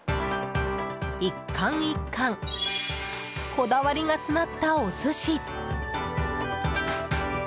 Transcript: １貫１貫こだわりが詰まったお寿司。